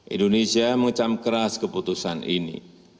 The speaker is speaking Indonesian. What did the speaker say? indonesia mengecam keras keputusan ini